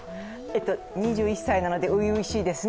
２１歳なので、初々しいですね。